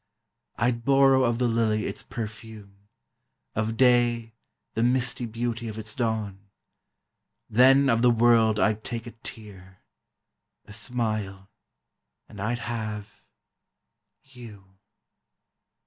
I'd borrow of the Lily its perfume, Of day—the misty beauty of its dawn; Then of the world I'd take a tear—a smile, And I'd have—you.